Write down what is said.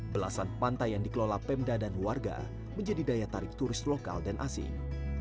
belasan pantai yang dikelola pemda dan warga menjadi daya tarik turis lokal dan asing